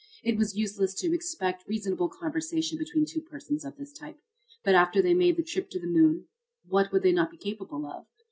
"It was useless to expect reasonable conversation between two persons of this type. But after they made the trip to the moon, what would they not be capable of?